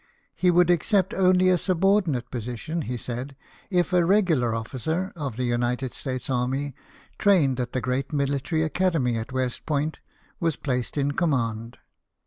He would accept only a subordinate position, he said, if a regular officer of the United States army, trained at the great military academy at West Point, was placed in command.